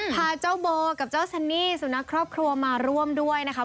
พาเจ้าโบกับเจ้าซันนี่สุนัขครอบครัวมาร่วมด้วยนะคะ